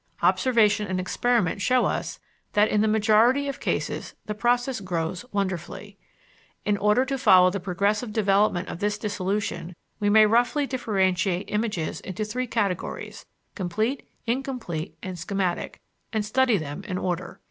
Observation and experiment show us that in the majority of cases the process grows wonderfully. In order to follow the progressive development of this dissolution, we may roughly differentiate images into three categories complete, incomplete, and schematic and study them in order.